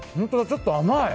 ちょっと甘い。